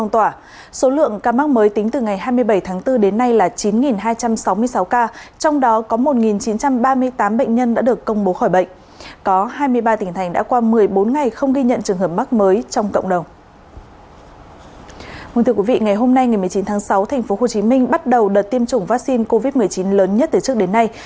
trong ngày một mươi tám tháng sáu tp hcm bắt đầu đợt tiêm chủng vaccine covid một mươi chín lớn nhất từ trước đến nay